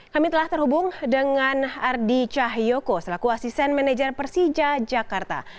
kami telah terhubung dengan ardi cahyoko selaku asisten manajer persija jakarta